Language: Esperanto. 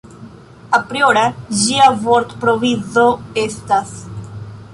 Apriora ĝia vortprovizo estas.